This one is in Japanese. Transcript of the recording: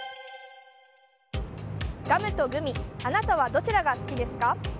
ガムとグミあなたはどちらが好きですか？